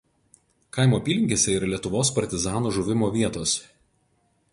Kaimo apylinkėse yra Lietuvos partizanų žuvimo vietos.